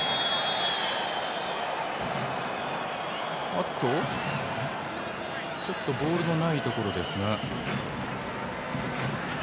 おっと、ちょっとボールのないところですが。